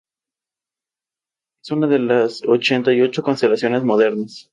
Desde su triunfo en Varsovia, Zak desarrolló su carrera concertística a gran escala.